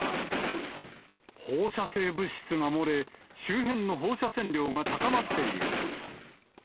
放射性物質が漏れ、周辺の放射線量が高まっている。